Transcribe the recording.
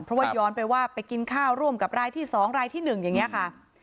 เพราะว่าย้อนไปว่าไปกินข้าวร่วมกับรายที่๒รายที่๑อย่างนี้ค่ะ